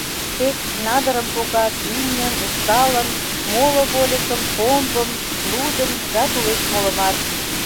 Тек надырым погат, имньым, ушкалым, моло вольыкым, комбым, лудым да тулеч молымат.